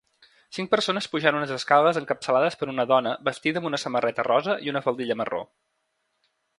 Cinc persones pujant unes escales encapçalades per una dona vestida amb una samarreta rosa i una faldilla marró.